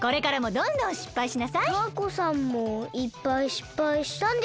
タアコさんもいっぱいしっぱいしたんですか？